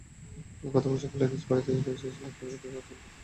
গতকাল সকালে নিজ বাড়িতে জানাজা শেষে লাশ পারিবারিক কবরস্থানে দাফন করা হয়।